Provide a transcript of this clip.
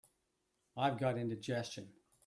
I've got indigestion.